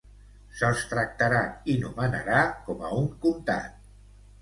Se'ls tractarà i nomenarà com a un comtat.